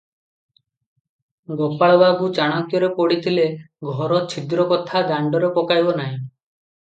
ଗୋପାଳବାବୁ ଚାଣକ୍ୟରେ ପଢ଼ିଥିଲେ, ଘର ଛିଦ୍ର କଥା ଦାଣ୍ଡରେ ପକାଇବ ନାହିଁ ।